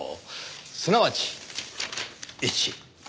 すなわち１。